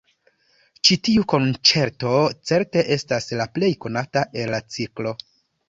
Ĉi tiu konĉerto certe estas la plej konata el la ciklo.